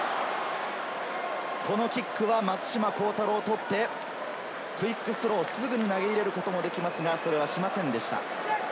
このキックは松島幸太朗が取ってクイックスロー、すぐに投げ入れることもできますが、それはしませんでした。